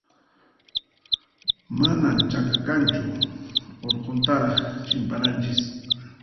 Manan chaka kanchu, urquntaraq chimpananchis.